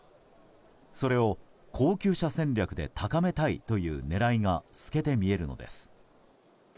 それを高級車戦略で高めたいという狙いが透けて見えるのです。